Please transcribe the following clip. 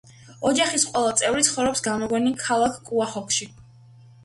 ოჯახის ყველა წევრი ცხოვრობს გამოგონილ ქალაქ კუაჰოგში.